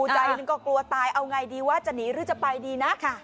ใจหนึ่งก็กลัวตายเอาไงดีว่าจะหนีหรือจะไปดีนะ